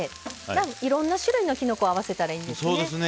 いろんな種類のきのこを合わせたらいいんですね。